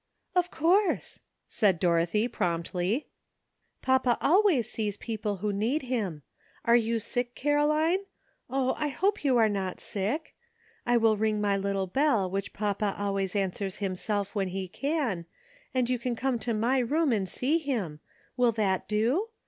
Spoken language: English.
''Of course," said Dorothy promptly ; "papa always sees people who need him. Are you sick, Caroline? Oh! I hope you are not sick. I will ring my little bell which papa always answers himself when he can, and you can come to my room and see him ; will that do